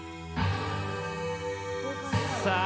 さあ